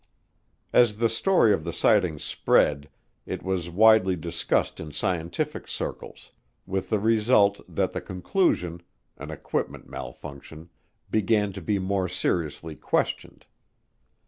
As the story of the sightings spread it was widely discussed in scientific circles, with the result that the conclusion, an equipment malfunction, began to be more seriously questioned.